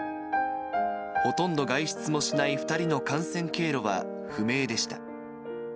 ほとんど外出もしない２人の感染経路は不明でした。